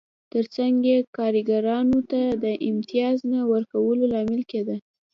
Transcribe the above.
ترڅنګ یې کارګرانو ته د امتیاز نه ورکولو لامل کېده